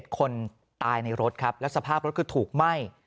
คนตายในรถครับแล้วสภาพรถคือถูกไหม้